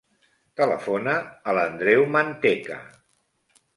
Telefona a l'Andreu Manteca.